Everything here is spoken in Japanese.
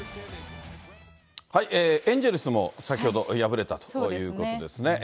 エンゼルスも先ほど敗れたということですね。